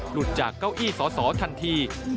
หลุดจากเก้าอี้สอสอทันที